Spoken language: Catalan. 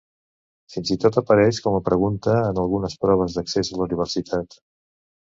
Fins i tot apareix com a pregunta en algunes proves d'accés a la universitat.